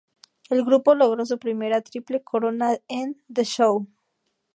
El grupo logró su primera Triple Corona en "The Show".